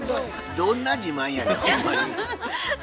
どんな自慢やねんほんまに。